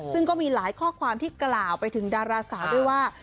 ซึ่งก็มีหลายข้อความที่กล่าวไปถึงดาราสาวด้วยว่า